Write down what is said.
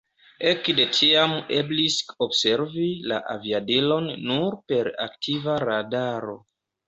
Ekde tiam eblis observi la aviadilon nur per aktiva radaro.